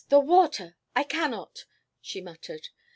The water! I cannot!" she muttered.